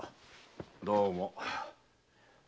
どうも。